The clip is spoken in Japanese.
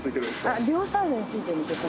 両サイドについてるんですよ